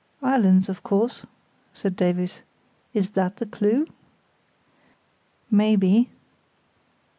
"Islands, of course," said Davies. "Is that the clue?" "Maybe."